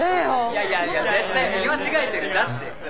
いやいやいや絶対見間違えてるんだって。